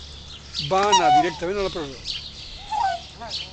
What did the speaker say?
Va anar directament a la presó.